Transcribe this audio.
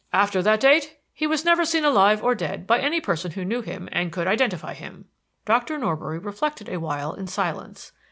After that date he was never seen alive or dead by any person who knew him and could identify him." Dr. Norbury reflected a while in silence.